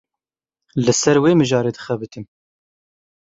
Li ser wê mijarê dixebitim.